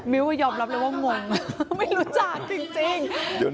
มิวค่ะยอมรับเลยว่ามงไม่รู้จักจริง